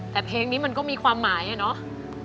แต่เพลงนี้มันก็มีความหมายอะเนาะ